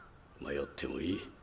迷ってもいい。